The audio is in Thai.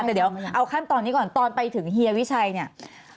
แต่เดี๋ยวเอาขั้นตอนนี้ก่อนตอนไปถึงเฮียวิชัยเนี่ย